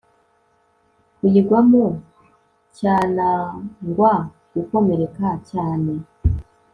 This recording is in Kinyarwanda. kuyigwamo cyanangwa gukomereka cyane